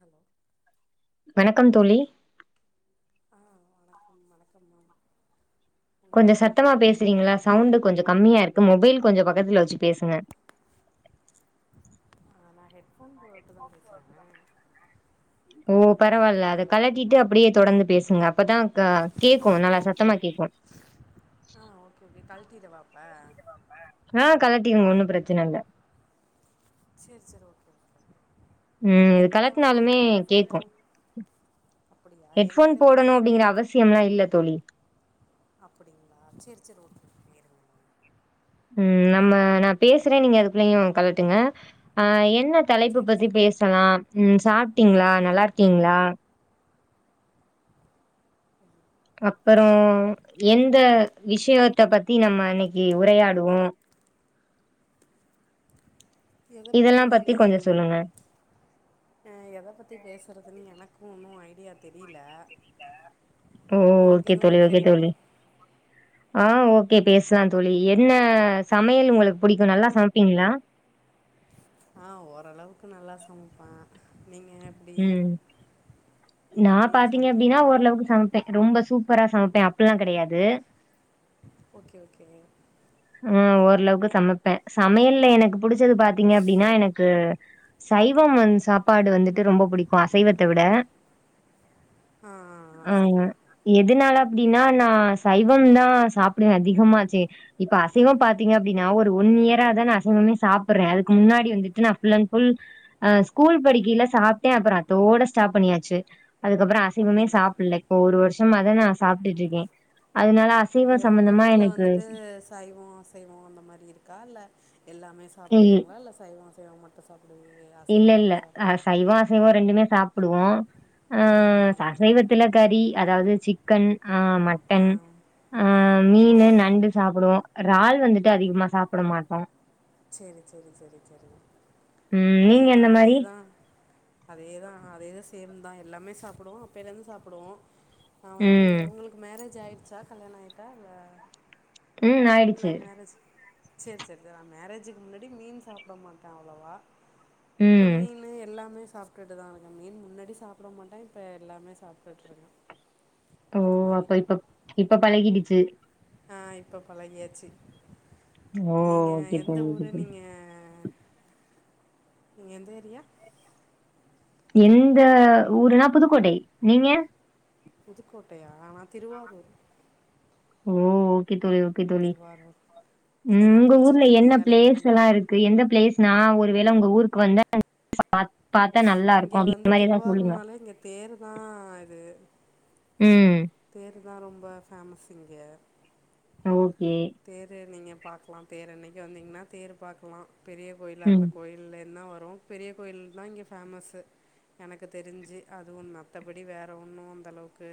Hello வணக்கம் தோழி ஆ வணக்கம் வணக்கம் மா கொஞ்ச சத்தமா பேசுறீங்களா சவுண்டு கொஞ்ச கம்மியா இருக்கு மொபைல் கொஞ்ச பக்கத்துல வச்சு பேசுங்க அ நா ஹெட்ஃபோன் போட்டு தா பேசுறே ஓ பரவால்ல அது கலட் டிட்டு அப்டியே தொடந்து பேசுங்க அப்பதா க கேக்கு நல்லா சத்தமா கேக்கு ஆ ஓகே ஓகே கழ்ட்டிட அப்ப ஆ கழட்டிருங் ஒன்னு பிரச்சன இல்ல சேரி சேரி ஓகே ம் இது எங்கிட்ட வந்து கழட்னாலுமே அத ஹெட்ஃபோன் கேக்கு போ அப்படியா ஹெட்ஃபோன் எங்கிட்ட போடணு ஹெட்போன் அப்டிங்கிற போட்டு அவசியம்லா இல்ல தோழி அப்படிங்களா சேரி சேரி ஓகே ஓகே இருங்க ம் நம்ம நான் ஆ நா இது பேசுறே பண்ணு நீங்க அதுக்குள்ளயு கழட்டுங்க ஆ என்ன தலைப்பு சரி பத்தி சரி பேஸ் சலா ம் சாப்ட்டீங்களா நல்லா இருக்கீங்ளா அப்பறோ எந்த விஷயத்த பத்தி நம்ம இன்னைக்கி உரையாடுவோ எத பத்தி இதெல்லா நீங்க கொஞ்சோ சொல்லுங்க எத பத்தி பேசுறதுன் எனக்கு ஒன்னு ஐடியா தெரில ஓ உங்களுக்கு ஓகே தோழி எதுவு ஓகே தெரியுமா தோழி ஆ ஓகே பேசலா தோழி என்ன சமையல் உங்களுக் புடிக்கு நல்லா சமப்பீங்களா ஆ ஓரளவுக்கு நல்லா சமப்பே நீங்க எப்டி ம் நீங்க நா எப்டி பாத்தீங்க அப்டினா சமைப்பீங்களா ஓரளவுக் சமப் பே ரொம்ப சூப்பரா சமப்பே அப்பல்லா கெடையாது ஓகே ஓகே ம் ஓரளவுக்கு சமப்பே சமயல்ல எனக்கு புடிச்சது பாத்தீங்க அப்டின்னா எனக்கு சைவம் வந் சாப்பாடு வந்துட்டு ரொம்ப புடிக்கு அசைவத்த விட ஆ ஆ சரி ஆங்க எதனால அப்டின்னா நா சைவம்தா சாப்டுவே அதிகமாச்சே இப்ப அசைவம் பாத்தீங்க அப்டினா ஒரு ஒன் இயரா தா அசைவமே சாப்பறே அதுக்கு முன்னாடி வந்துட் நா ஃபுல் அண்ட் ஃபுல் அ ஸ்கூல் படிக்கில சாப்ட்டே அப்பற அத்தோட ஸ்டாப் பண்ணியாச்சு அதுக்கப்பற அசைவமே அப்டிங்க சாப்பில இப்போ ஒரு வருஷமா அதா நா சாப்ட்டுட் இருக்கே அதனால அசைவ அப்டியே உங்க சம்பந்தமா வீட்ல எனக்கு வந்துட்டு சைவோ அ சைவோ அந்த மாரி இருக்கா இல்ல எல்லாமே இல் சாப்புடுவீங்களா இல்ல சைவ அசைவ மட்டு சாப்டுவிங் இல்ல இல்ல அ சைவோ அசைவோ ரெண்டுமே சாப்புடுவோ அ ஆ அசைவத் சில கறி அதாவது சிக்கன் அ மட் ஆ ஆ டன் ஆ மீனு நண்டு சாப்புடுவோ றால் வந்துட்டு அதிகமா சாப்பட மாட்டோ செரி செரி செரி செரி ம் நீங்க அதேதா எந்த மாரி? அதேதா அதேதா அதேதா சேந்தா எல்லாமே சாப்புடுவோ அப்பேலேந்து சாப்புடுவோ நா வந்து ம் உங்களுக் கு மேரேஜ் ஆயிடுச்சா கல்யாண ஆயிட்டா இல்ல ம் ஆயிடுச்சு. லவ் மேரேஜ் சேரி சேரி த நா மேரேஜுக்கு முன்னாடி மீன் சாப்ட மாட்ட அவ்ளவா இப்ப ம் மீனு எல்லாமே சாப்ட்டுட்டு தா இருக்க மீன் முன்னாடி சாப்ட மாட்ட இப்ப எல்லாமே சாப்ட்டுட்ருக்க ஓ அப்ப இப்பப் இப்ப பழகிடுச்சி அ இப்ப பழகியாச்சி ஓ நிங்க ஓகே எந்த தோழி ஓகே ஊரு தோழி. நீங்க நீங்க எந்த எரியா எந்த ஊருனா புதுக்கோட்டை நீங்க புதுக்கோட்டயா நா திருவாரூர் ஓ ஓகே தோழி ஓகே தோழி திருவாரூர் நீங்கள் ம் என்ன உங்க ஊர்ல படிச்சிருக்கீங்க என்ன வேலைக்கு போகிறீங்க பிளேஸ்சல்லா இருக் கு எந்த பிளேஸ் நா ஒரு வேள உங்க ஊர்க்கு வந்தா பாத்தா நல்லா இருக்கும் இங்க அப்டிங்கிற வந்து மாரி எதாவது சொல்லுங்க. திருவாரூர்னாலே இங்க தேர்ரு தா இது ம் தேர்ருதா ரெம்பா ஃபேமஸ் இங்க அ ஓகே தேர்ரு நீங்க பாக்லா தேர் அன்னக்கி வந்திங்ன்னா தேர் பாக்லா பெரிய கோயில் ம் அந்த கேயில் இல்ல என்ன வரு பெரிய கோயில்னா இங்க ஃபேமஸ்சு எனக்கு தெரிஞ்சி அதுவு மாத்தபடி வேற ஒன்னு அந்தளவுக்கு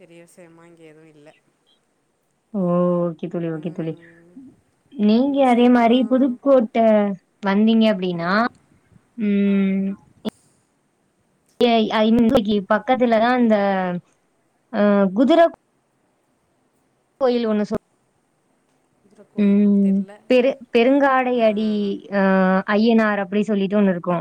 பெரிய விஷியமா இங்க எது இல்ல ஓ ஓகே தோழி ஓகே தோழி நீங்க உங்கள் அதே மாரி சைடெல்லாம் புதுக்கேட்ட வந்திங்க அப்டினா ஆ எ ஐ [unintelligible] பக்கத்துல தா அந்த அ குதுர கோயிலு ஒன்னு சொ இந்துர கோயில் தெர்ல பெரியங்காடை அடி அ ஐய்யனார் அப்டி சொல்லுட்டு ஒன்னு இருக்கு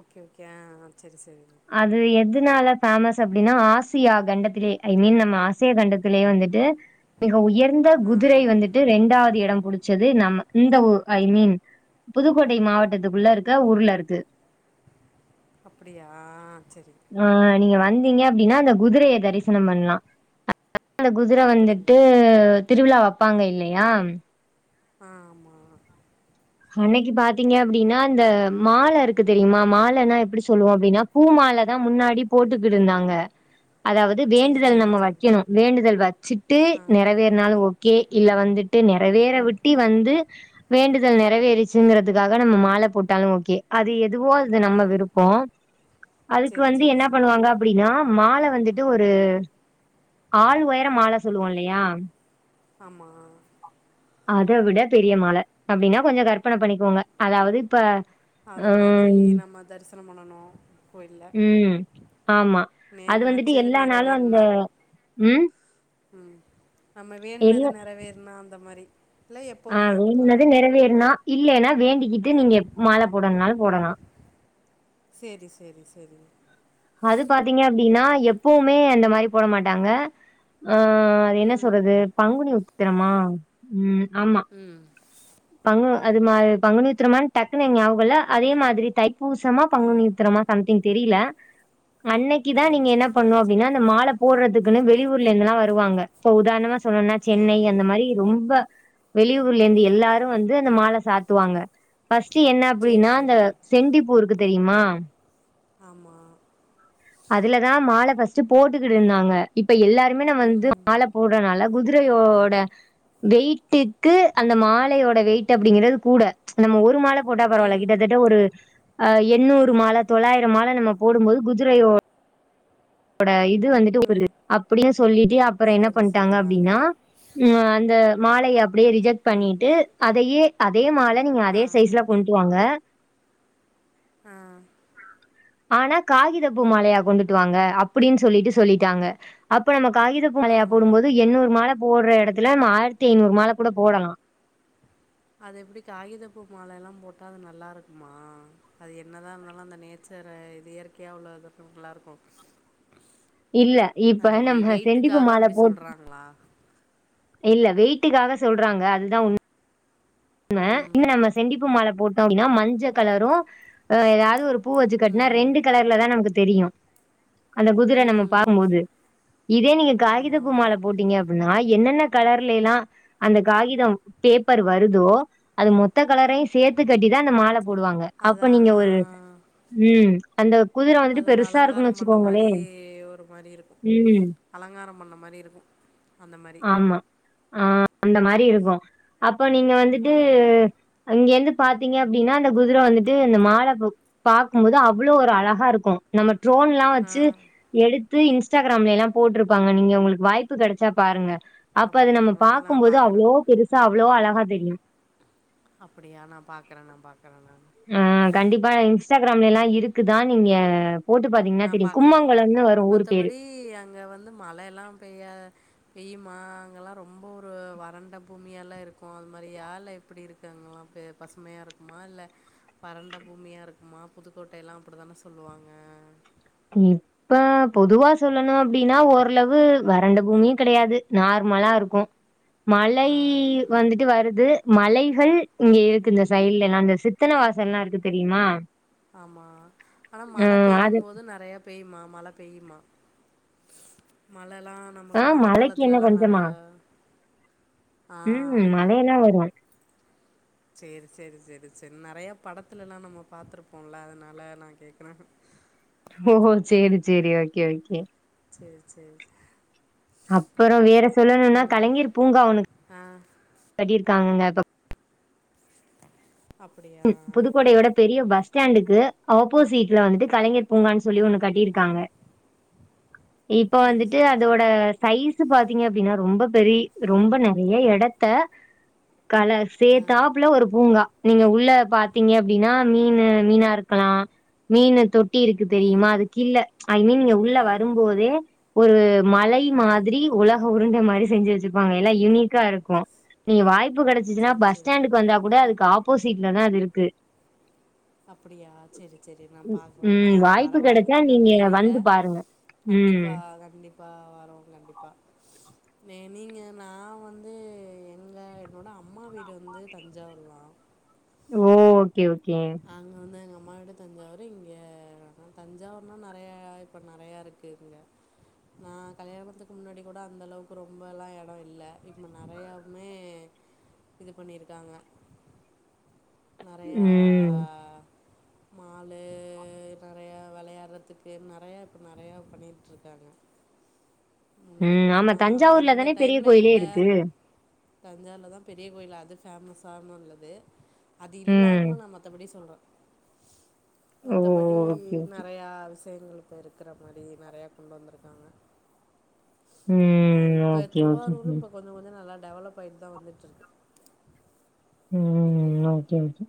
ஓகே ஓகே அ செரி செரி அது எதுனால ஃபேமஸ் அப்டினா ஆசியா கண்டத்திலே ஐ மீன் நம்ம ஆசியா கண்டத்திலேயே வந்துட்டு மிக உயர்ந்த ஆ குதிரை வநதுட்டு இரண்டாவது எடம் புடிச் சது நம் இந்த ஊர் ஐ மீன் புதுக்கேட்டை மாவட்டத்துக்குள்ள இருக்க ஊர்ல இருக்கு அப்டியா செரி ஆ நீங்க வந்திங்க அப்டினா அந்த குதிரைய தரிசனம் பண்லா [unintelligible] குதுர அப்படிங்க வந்துட்டு திருவிழா வப்பாங்க இல்லையா ஆமா அன்னிக்கி பாத்திங்க அப்டின்னா அந்த மால இருக்கு தெரியுமா மாலனா எப்டி சொல்லுவே அப்டினா பூ மாலதா முன்னாடி போட்டு கிடுந்தாங்க அதாவது சரி வேண்டுதல் சரி நம்ம சரி வக்கணு வேண்டுதல் வச்சிட்டு ஆ நெறவேற்னாலு ஓகே ம் இல்ல வந்து ட்டு நேறவேற ம் விட்டி வந்து வேண்டுதல் நெறவேறிச்சுங்கிறதுக்கா நம்ம மால போட்டாலு ஓகே அது எதுவே இது ஆ நம்ம விருப்போ அதுக்கு சரி வந்த சரி என்ன சரி பண்ணுவாங்க அப்டினா மால வந்துட்டு ஒரு ஆள் உயர மால சொல்லுவே இல்லய ஆமா அதா விட பெரிய மால அப்டின்னா கொஞ்சோ கற்பன பண்ணிக்கோங்க அதாது இப்ப அது மாரி ம், நம்ம தரிசனம் பண்ணணு ம் ஆமா நே அது வந்துட்டு நினச்சது எல்லா நாளு அங்க ம் ம் நம்ம வேண்டுனது நெறவேறுனா அந்த மாரி அ வேண்டுனது நெறவேறின்னா இல்லேன்னா வேண்டிக்கிட்டு நீங்க மால போடனுனாலு போடலா செரி செரி செரி அது பாத்திங்க அப்டின்னா எப்பவுமே அந்த மாரி போட மாட்டாங்கா ஆ அது என்ன ம் சொல்றது பங்குனி உத்திரமா ம் ஆமா ம் பங்கு அது மாரி பங்குனி உத்தரமானு டக்குனு எங் ஞாபகோ இல்ல அதே மாரி தைப்பூசமா ஆ பங்குனி உத்திரம் சம்திங் தெரில அன்னைக்கு தா சரி நீங்க என்ன சரி பண்ணோ சரி சரி அப்டின்னா அந்த மா போட்றதுக்குன்னு வெளியூர்ல இருந்துலா வருவாங்க இப்போ உதாரணமா சொல்லணுனா ஆ சென்னை அந்த மாரி ரொம்ப வெளியூர்லருந்து எல்லாரு வந்து அந்த மால சாத்துவாங்க ஃபர்ஸ்ட்டு என்ன சரி அப்டின்னா அந்த சரி சரி செண்டிப்பூருக்கு தெரியுமா ஆமா அதுலதா மால ஃபர்ஸ்ட்டு போட்டுக்கிட்டுருந்தாங்க இப்ப எல்லாருமே நம்ம வந்து ம் மால போட்றனால குதிரையோட வெய்ட்டுக்கு அந்த மாலயோட வெயிட் அப்டிங்கறது கூ நம்ம ஒரு மால போட்டா பரவால்ல ம் கிட்டத்தட்ட ஒரு அ எண்ணூறு மால தொள்ளாயிரோ மால நம்ம போடும்போது குதிரையோ ட இது வந்துட்டு ஒரு ம் அப்டின்னு சொல்லிட்டு அப்றோ என்ன சரி பண்ட்டாங்க சரி ஆ அப்டின்னா உ அந்த மாலய அப்டியே ரிஜெக்ட் பண்ணிட்டு அதயே அதே மால நீங்க ஆ அதே சைஸ்ல கொஞ்சுவாங்க ஆனா காகித பூ மாலையா கொண்டுட்டு வாங்க அப்டின்னு சொல்லிட்டு சொல்லிட்டாங்க அப்ப நம்ம காகித மாலையா போடும்போது எண்ணூறு மால போடுற இடத்துல நம்ம ஆயிரத்தி ஐநூறு மால கூட போடலா அது எப்டி காகிதப்பூ மால எல்லா போட்டா அது நல்லாருக்குமா அது என்னதா இருந்ததாலு அந்த நே ச்சரா இது இயற்கையா உள்ளதுதா நல்லாருக்கு இல்ல இப்ப அந்த வொய் நம்ம செண்டிப்பூ வெயிட்டுக்காக மால அப்டி போ சொல்றாங்களா இல்ல வெய்ட்டுக்காக சொல்றாங்க அதுதா [inaudible] ம் இன்னு நம்ம செண்டிப்பூ மால போட்டோ அப்டின்னா மஞ்ச கலரு ஆ ஏதாது பூ வச்சுக்கட்னா ரெண்டு கலர்ல தா நமக்கு தெரியு அந்த குதிர நம்ம ம் பாக்கும்போது இதே நீங்க காகித ஆமா பூ மால போட்டீங் அப்பனா என்னென்ன கலர்ல எல்லா அந்த காகிதம் பேப்பர் வருதோ அது மொத்த கலரயு சேத்து கட்டிதா அந்த மால போடுவாங்க அப்ப அதா நீங்க ஆ ஒரு ம் அந்த குதிர அது வந்துட்டு ஒரு பெருசாருக்குன்னு அலங்காரம் பண்ண வச்சுக்கோங்களே மாரி ஒரு மாரி இருக்கு ம் அலங்காரம் பண்ண மாரிருக்கும் அந்த மாரி ஆ அந்த மாரிருக்கு இப்போ நீங்க ஆ வந்துட்டு அங்கிருந்து பாத்தீங்க அப்டின்னா அந்த குதிர வந்துட்டு இந்த மால பாக்கும்போது அவ்ளோ ஒரு அழகாருக்கு நம்ம ட்ரோன்லா ஆ வச்சு எடுத்து இன்ஸ்டாகிராம்ல எல்லா போட்ருப்பாங்க நீங்க உங்களுக்கு வாய்ப்பு கெடச்சா பாருங்க அப்ப அத நம்ம அப்டிங்களா நா பாக்கும்போது பாக்குறே அவ்ளோ பெருசா அவ்ளோ அழகா தெரியு அப்டியா நா பாக்கறே நா பாக்கறே நா அ கண்டிப்பா இன்ஸ்டாகிராம்லேலா இருக்குதா நீங்க போட்டு பாத்தீங்கன்னா நான் தெரியு கும்மங்கழல்னு வரு ஊரு பேரு இங்க வந்து மழை எல்லா பெய்யா பெய்யுமா அங்கெல்லா ரொம்ப ஒரு வறண்ட பூமியல்லா இருக்கு அது மாரியா இல்ல எப்பிடி இரு க்கங்கல்லா பே பசுமையா இருக்குமா இல்ல வறண்ட பூமியா இருக்குமா புதுக்கோட்டை எல்லா அப்டி தானே சொல்லுவாங்க ம் இப்ப பொதுவா சொல்லணு அப்டினா ஓரளவு வறண்ட பூமியு கெடையாது நார்மலா இருக்கு மழை ஆ வந்துட்டு வருது மலைகள் இங்க இருக்கு இந்த சைடுல எல்லா இந்த சித்தன்ன வாசல் எல்லா இருக்கு தெரியுமா ஆமா ஆனா ஆ மழ அது பெய்யும் போது நெறையா பெய்யுமா மழ பெய்யுமா மழல்லா ஆ ஆமாங்க மழ மலைக்கு காலத்துல என்ன எல்லா பஞ்சமா நெறையா ம் மழை எல்லா வரு சேரி சேரி சேரி சேரி நெறையா படத்துல எல்லா நம்ம பாத்துருப்போம்ல அதனால நா கேக்குறே ஓஹோ சேரி சேரி ஓகே ஓகே சேரி சேரி சே அப்புற வேற சொல்லணுனா மாதிரி கலைஞர் பூங்கா ஓன்னு ஆ கட்டிருக்காங்கங்கப்ப அப்படியா ம் புதுக்கோடையோட பெரிய பஸ் ஸ்டாண்டுக்கு ஆப்போசிட்ல வந்துட்டு கலைஞர் பூங்கான்னு ஆ சொல்லி ஒண்ணு கட்டிருக்காங்க இப்ப சரி வந்துட்டு சரி அதோட சரி சைஸ் பாத்தீங்க அப்டின்னா ரொம்ப பெரிய ரொம்ப நெறைய எடத்த கல ஆ சேத்தாப்புல ஒரு பூங்கா நீங்க உள் உள்ள பாத்தீங்க அப்டின்னா மீனு மீனா இருக்கலா மீனு தொட் ட்டி இருக்கு தெரியுமா ம் அது கில்ல ஐ மீன் நீங்க உள்ள ஆமாம் வரும்போதே ஒரு மலை ஆ மாதிரி உலக உருண்ட மாரி செஞ்சு வச்சுருப்பாங்க எல்லா யுனிக்கா இருக்கு நீ வாய்ப்பு கெடச் சுசுனா சரி பஸ் சரி ஸ்டாண்டுக்கு வந்தா கூட அதுக்கு ஆப்போசிட்ல தா அது இருக்கு அப்பிடியா சேரி சேரி நா பாக்குறே நா ம் வர வாய்ப்பு கெடச்சா இருக்கானு நீங்க தெரில வந்து பாருங்க ம் கண்டிப்பா கண்டிப்பா வரோ கண்டிப்பா மே நீங்க நா வந்து எங்க என்னோட அம்மா வீடு வந்து தஞ்சாவூர் தா ஓ ஓகே ஓகே அங்க வந்து எங்க அம்மா வீடு தஞ்சாவூரு இங்க தஞ்சாவூர்னா நெறையா இப்போ நெறையா இருக் கு இங்க நா கல்யாணத்துக்கு முன்னாடி கூட அந்த அளவுக்கு ரொம்பல்லா எடோ இல்ல இப்ப நெறையாவுமே இது பண்ணி இருக்காங்க நெறையா ம் மாலு நெறையா வெளையாடுறதுக்கு நெறையா இப்போ நெறையா பண்ணட்டுருக்காங்க முன்னாடி ம் கூட ஆமா நா தஞ்சாவூர்ல இருந்த தானே பெரிய டைம்ல கோயிலே இல்ல இருக்கு தஞ்சாவுல தா பெரிய கோயிலு அது ஃபேமஸ்ஸான உள்ளது அது ம் இல்லாம நா மத்தபடி சொல்றே ஓ மத்தபடி ஓகே ஓகே நெறையா விஷயங்கள் இப்ப இருக்கிற மாரி நெறையா கொண்டு வந்திருக்காங்க அ ம். இப்ப ஓகே, ஓகே. திருவாரு ம். இப்ப கொஞ்ச கொஞ்ச நல்லா டெவலப் ஆயிட்டு தா வந்துட்டு இருக்கு ம் ஓகே ஓகே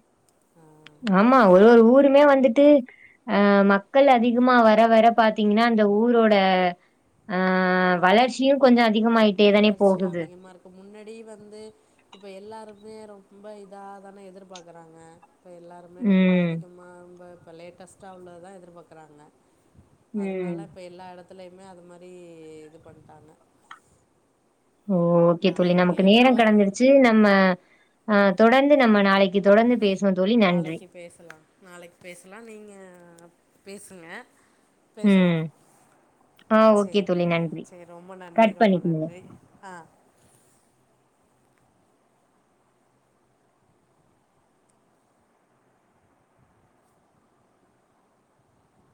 ஆமா ஒரு ஒரு ஊருமே வந்துட்டு அ மக்கள் அதிகமா வர வர பாத்தீங்கன்னா அந்த ஊரோட ஆ ஆமாம் வளர்ச்சியும் கொஞ்சோ அதிகமாயிட்டே தானே போகுது இப்போ முன்னடி வந்து இப்போ எல்லாருமே ரொம்ப இதா தானே எதிர்பாக்குறாங்க இப்போ எல்லாருமே ரொம்ப ம். அதிகமா ரொம்ப இப்போ லேட்டஸ்ட்டா உள்ளதுதா எதிர்பாக்குறாங்க ம். அதுனால இப்ப எல்லா இடத்துலயுமே அது மாதிரி இது பண்ட்டாங்க ஓ ஓகே தோழி நான் நமக்கு இங்கே நேரம் திருவாரூரில் கடந்துருச்சு நம்ம ஆ தொடந்து நம்ம நாளைக் க்கி தொடந்து பேசுவோ தோழி நன்றி நாளைக்கு பேசலாம் நாளைக்கு பேசலா நீங்க பேசுங்க பேசலாம் ம். ஆ ஓகே செர் தோழி நன்றி. செரி ரொம்ப நன்றி கட் ரொம்ப பண்ணிக்கங்க. நன்றி ஆ